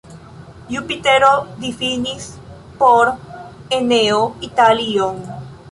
Jupitero difinis por Eneo Italion.